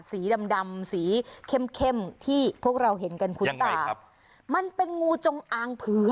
สีดำดำสีเข้มเข้มที่พวกเราเห็นกันคุณตายังไงครับมันเป็นงูจงอางเผือก